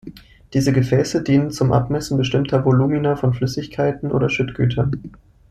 Diese Gefäße dienen zum Abmessen bestimmter Volumina von Flüssigkeiten oder Schüttgütern.